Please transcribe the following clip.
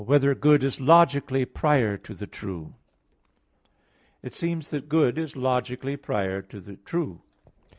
4] Whether Good Is Logically Prior to the True? Objection 1: It seems that good is logically prior to the true.